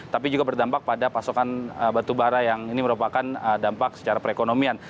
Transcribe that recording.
tapi juga berdampak pada pasokan batubara yang ini merupakan dampak secara perekonomian